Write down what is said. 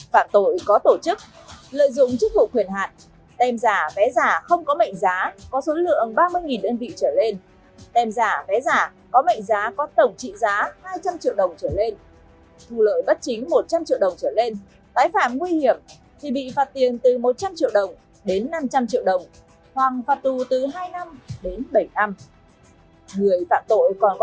các trường hợp phạt tội có tổ chức nhiều lần và mức độ nghiêm trọng